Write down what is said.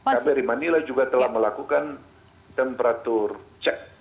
kbri manila juga telah melakukan temperatur cek